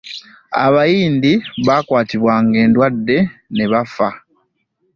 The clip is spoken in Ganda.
Abayindi baalbibwanga endwadde ne bafa.